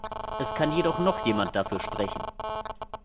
Es kann jetzt noch jemand dafür sprechen.